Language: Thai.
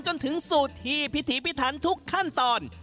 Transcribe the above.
จนถึงสุดที่พิธีพิธรรมทุกขั้นตอน